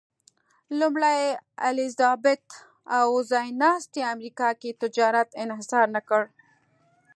لومړۍ الیزابت او ځایناستي امریکا کې تجارت انحصار نه کړل.